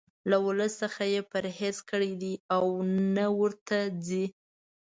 له ولس څخه یې پرهیز کړی دی او نه ورته ځي.